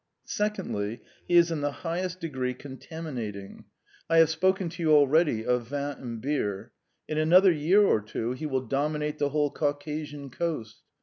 Secondly, he is in the highest degree contaminating. I have spoken to you already of vint and beer. In another year or two he will dominate the whole Caucasian coast.